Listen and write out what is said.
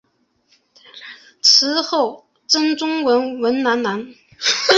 池后正中为文澜阁。